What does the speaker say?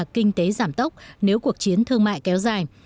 nó sẽ là kinh tế giảm tốc nếu cuộc chiến thương mại kéo dài